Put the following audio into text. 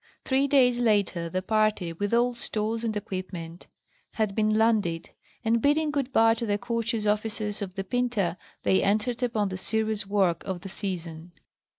Three days later the party, with all stores and equipment, had been landed ; and bidding good bye to the courteous officers of the Pinta, they entered upon the serious work of the season.